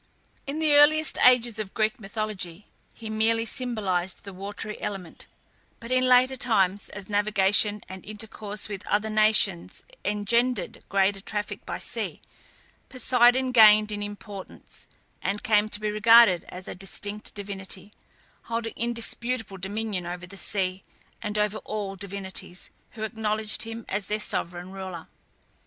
In the earliest ages of Greek mythology, he merely symbolized the watery element; but in later times, as navigation and intercourse with other nations engendered greater traffic by sea, Poseidon gained in importance, and came to be regarded as a distinct divinity, holding indisputable dominion over the sea, and over all sea divinities, who acknowledged him as their sovereign ruler.